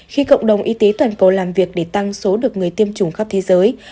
khi cộng đồng y tế toàn cầu làm việc để tăng số được người tiêm chủng khắp thế giới